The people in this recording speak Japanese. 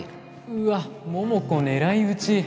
うわっ桃子狙い撃ち